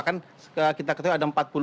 kan kita ketahui ada empat puluh lima